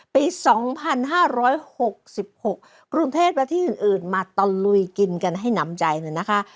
ปี๒๕๖๖กรุงเทพและที่อื่นมาตะลุยกินกันให้น้ำใจหน่อยนะคะ